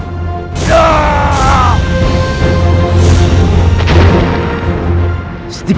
serahkan dewamu sekarang